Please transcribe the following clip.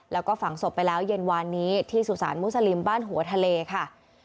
แล้วก็ฝังศพไปแล้วเย็นวานนี้ที่สุสานมุสลิมบ้านหัวทะเลค่ะ